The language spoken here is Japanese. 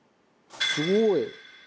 すごい。